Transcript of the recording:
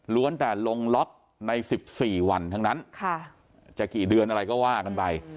แต่ลงล็อกใน๑๔วันทั้งนั้นจะกี่เดือนอะไรก็ว่ากันไป